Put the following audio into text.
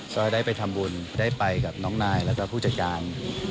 ก็ได้ไปทำบุญได้ไปกับน้องนายแล้วก็ผู้จัดการ